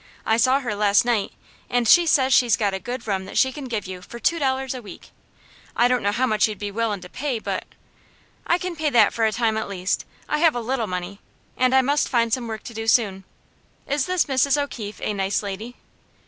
I saw her last night, and she says she's got a good room that she can give you for two dollars a week I don't know how much you'd be willing to pay, but " "I can pay that for a time at least. I have a little money, and I must find some work to do soon. Is this Mrs. O'Keefe a nice lady?"